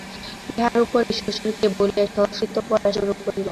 ইহার উপরে শ্বশুরকে বলিয়া সংস্কৃত পড়া শুরু করিল।